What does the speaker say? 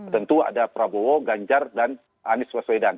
tentu ada prabowo ganjar dan anies baswedan